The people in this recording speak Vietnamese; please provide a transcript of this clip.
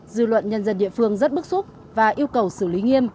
dư luận nhân dân địa phương rất bức xúc và yêu cầu xử lý nghiêm